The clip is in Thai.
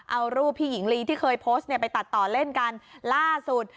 เอารูปพี่หญิงลีที่เคยโพสต์เนี่ยไปตัดต่อเล่นกันล่าสุด